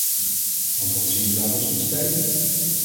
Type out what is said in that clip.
Want wat zien we daar al sinds tijden?